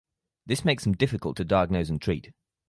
This makes them difficult to diagnose and treat.